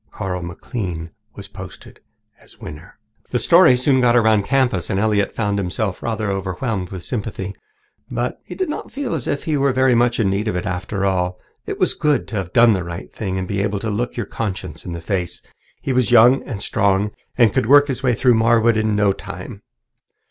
Carl McLean was posted as winner. The story soon got around the campus, and Elliott found himself rather overwhelmed with sympathy, but he did not feel as if he were very much in need of it after all. It was good to have done the right thing and be able to look your conscience in the face. He was young and strong and could work his own way through Marwood in time.